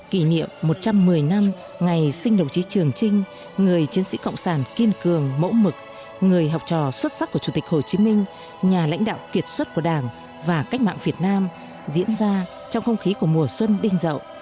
kỷ niệm một trăm một mươi năm ngày sinh đồng chí trường trinh người chiến sĩ cộng sản kiên cường mẫu mực người học trò xuất sắc của chủ tịch hồ chí minh nhà lãnh đạo kiệt xuất của đảng và cách mạng việt nam diễn ra trong không khí của mùa xuân đinh rậu